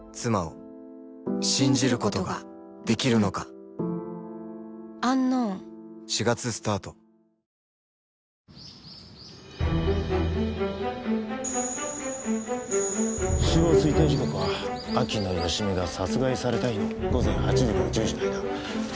「カルピスＴＨＥＲＩＣＨ」死亡推定時刻は秋野芳美が殺害された日の午前８時から１０時の間。